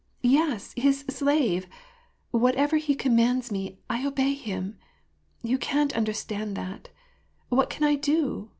Yes, his slave ! Whatever he com mands me, I obey him. You can't understand that. What can I do?